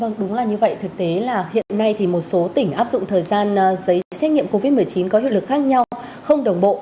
vâng đúng là như vậy thực tế là hiện nay thì một số tỉnh áp dụng thời gian giấy xét nghiệm covid một mươi chín có hiệu lực khác nhau không đồng bộ